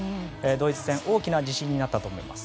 ドイツ戦、大きな自信になったと思います。